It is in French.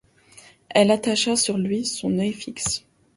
Elle attacha sur lui son œil fixe.